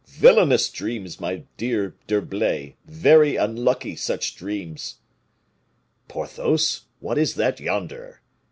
Villainous dreams, my dear D'Herblay; very unlucky, such dreams!" "Porthos, what is that yonder?"